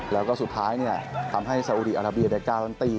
แล้วก็สุดท้ายทำให้ซาอุดีอาราเบียได้การันตี